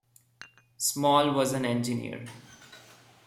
Small was an engineer.